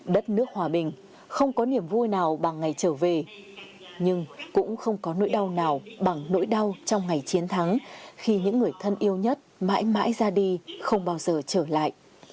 đất nước hòa bình không có niềm vui nào bằng ngày trở về nhưng cũng không có nỗi đau nào bằng nỗi đau trong ngày chiến thắng khi những người thân yêu nhất mãi mãi ra đi không bao giờ trở lại